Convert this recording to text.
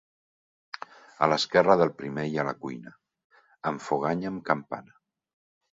A l’esquerra del primer hi ha la cuina, amb foganya amb campana.